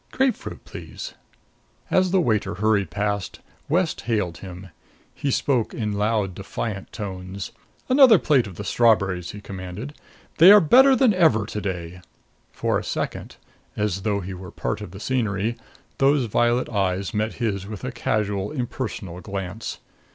Grapefruit, please." As the waiter hurried past, West hailed him. He spoke in loud defiant tones. "Another plate of the strawberries!" he commanded. "They are better than ever to day." For a second, as though he were part of the scenery, those violet eyes met his with a casual impersonal glance.